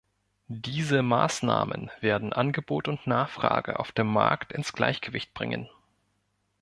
Diese Maßnahmen werden Angebot und Nachfrage auf dem Markt ins Gleichgewicht bringen.